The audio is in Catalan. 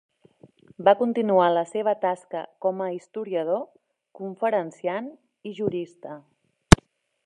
Va continuar la seva tasca com a historiador, conferenciant i jurista.